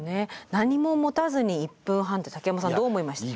何も持たずに１分半って竹山さんどう思いましたか？